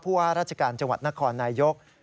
ว่าราชการจังหวัดนครนายก